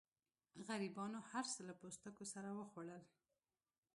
غریبانو هر څه له پوستکو سره وخوړل.